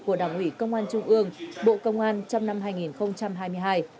của đảng ủy công an trung ương bộ công an trong năm hai nghìn hai mươi hai